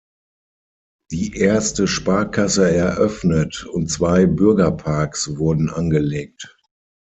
Die erste Sparkasse eröffnet und zwei Bürgerparks wurden angelegt.